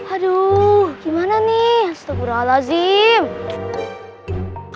aduh nyangkut lagi aduh